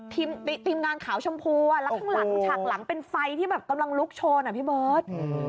ทีมงานขาวชมพูแล้วข้างหลังฉากหลังเป็นไฟที่แบบกำลังลุกโชนอ่ะพี่เบิร์ต